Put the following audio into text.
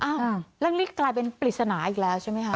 เรื่องนี้กลายเป็นปริศนาอีกแล้วใช่ไหมคะ